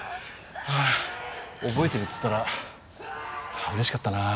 ああ覚えてるっつったらうれしかったなぁ。